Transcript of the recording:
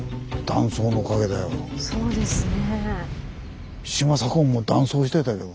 そうですね。